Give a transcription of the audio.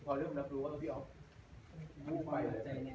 พอเริ่มรับรู้ก็ต้องพี่อ๊อฟพูดไปเลย